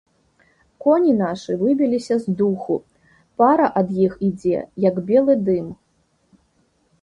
Коні нашы выбіліся з духу, пара ад іх ідзе, як белы дым.